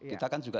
kita kan juga